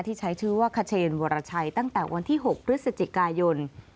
ใช้ชื่อว่าเชนวรชัยตั้งแต่วันที่๖พฤศจิกายน